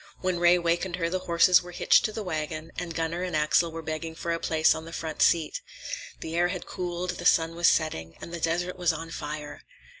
When Ray wakened her, the horses were hitched to the wagon and Gunner and Axel were begging for a place on the front seat. The air had cooled, the sun was setting, and the desert was on fire.